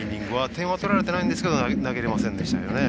点は取られてないんですけど投げれませんでしたよね。